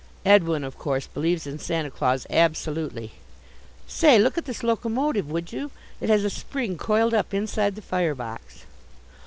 Edwin, of course, believes in Santa Claus absolutely. Say, look at this locomotive, would you? It has a spring coiled up inside the fire box."